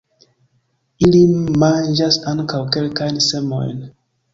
Ili manĝas ankaŭ kelkajn semojn.